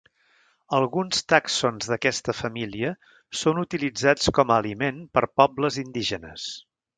Alguns tàxons d'aquesta família són utilitzats com a aliment per pobles indígenes.